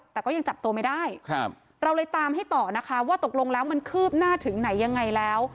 แต่ก็ยังจับตัวไม่ได้เราเลยตามให้ต่อนะคะว่าตกลงแล้วมันคืบหน้าถึงไหนยังไงแล้ว